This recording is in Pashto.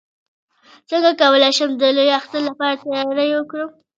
څنګه کولی شم د لوی اختر لپاره تیاری وکړم